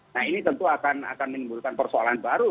nah ini tentu akan menimbulkan persoalan baru